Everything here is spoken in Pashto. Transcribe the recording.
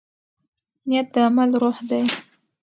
نیت د عمل روح دی.